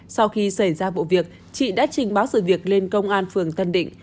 sau khi xảy ra vụ việc chị đã trình báo sự việc lên công an phường tân định